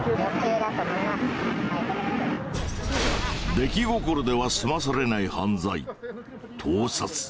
出来心では済まされない犯罪盗撮。